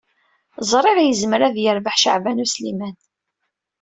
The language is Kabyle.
Ẓriɣ yezmer ad yerbeḥ Caɛban U Sliman.